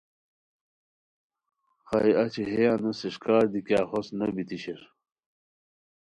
خائے اچی ہے انوس اݰکار دی کیاغ ہوست نو بیتی شیر